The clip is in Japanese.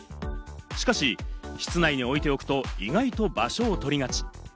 しかし、室内に置いておくと、意外と場所をとりがち。